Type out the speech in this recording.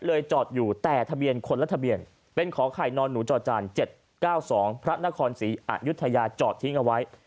จอดอยู่แต่ทะเบียนคนละทะเบียนเป็นขอไข่นอนหนูจอจาน๗๙๒พระนครศรีอายุทยาจอดทิ้งเอาไว้